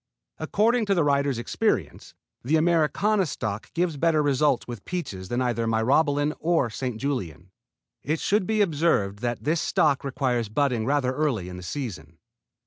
According to the writer's experience the Americana stock gives better results with peaches than either Myrobalan or St. Julien. It should be observed that this stock requires budding rather early in the season.